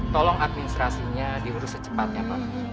tolong administrasinya diurus secepatnya pak